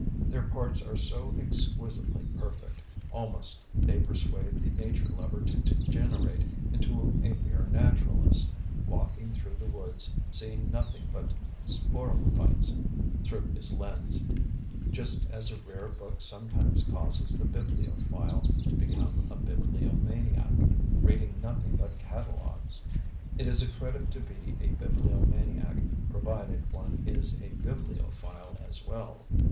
Their parts are so exquisitely perfect, almost they persuade the nature lover to degenerate into a mere naturalist, walking through the woods seeing nothing but sporophytes through his lens, just as a rare book sometimes causes the bibliophile to become a bibliomaniac, reading nothing but catalogues. It is a credit to be a bibliomaniac provided one is a bibliophile as well.